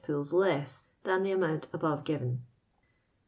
oolb loss than tlic amount above given.